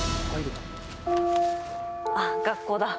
あっ学校だ。